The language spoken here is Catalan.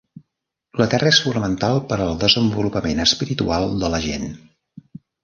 La terra és fonamental per al desenvolupament espiritual de la gent.